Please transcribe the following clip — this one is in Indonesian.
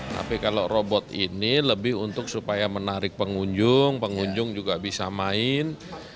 tapi kalau robot ini lebih untuk supaya menarik pengunjung pengunjung juga bisa main